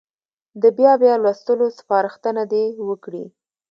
د بیا بیا لوستلو سپارښتنه دې وکړي.